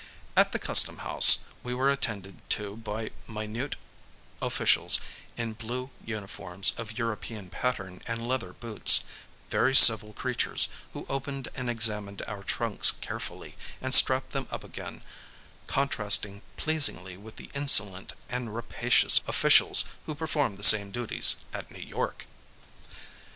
At the custom house we were attended to by minute officials in blue uniforms of European pattern and leather boots; very civil creatures, who opened and examined our trunks carefully, and strapped them up again, contrasting pleasingly with the insolent and rapacious officials who perform the same duties at New York.